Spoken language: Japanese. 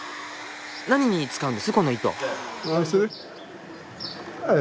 何に使うんですこの糸？